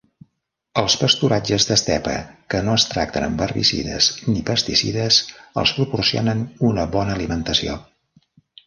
Els pasturatges d'estepa que no es tracten amb herbicides ni pesticides els proporcionen una bona alimentació.